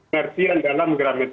persian dalam gramitasi